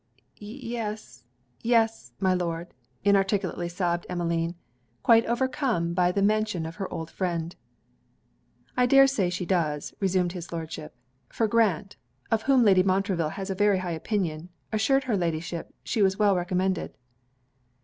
'Ye s, yes, my lord;' inarticulately sobbed Emmeline, quite overcome by the mention of her old friend. 'I dare say she does,' resumed his Lordship; 'for Grant, of whom Lady Montreville has a very high opinion, assured her Ladyship she was well recommended.'